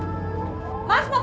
jadi kita harus berhati hati